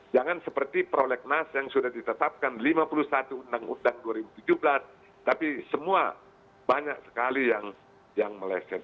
jangan seperti prolegnas yang sudah ditetapkan lima puluh satu undang undang dua ribu tujuh belas tapi semua banyak sekali yang meleset